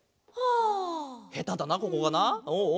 ヘタだなここがな。